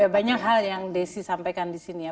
banyak hal yang desi sampaikan di sini ya